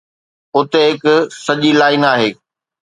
اتي هڪ سڄي لائن آهي.